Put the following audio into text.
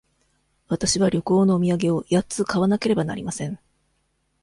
わたしは旅行のお土産を八つ買わなければなりません。